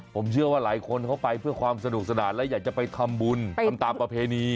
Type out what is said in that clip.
ผมเชื่อว่าหลายคนเขาไปเพื่อความสนุกสนานและอยากจะไปทำบุญทำตามประเพณี